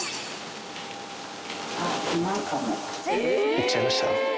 行っちゃいました？